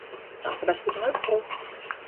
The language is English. That's the best we can hope for.